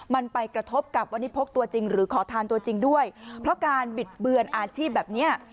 มันไปกระทบกับวันนี้พกตัวจริงหรือขอทานตัวจริงด้วยเพราะการบิดเบือนอาชีพแบบเนี้ย